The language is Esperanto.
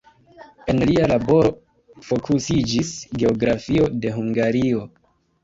En lia laboro fokusiĝis geografio de Hungario.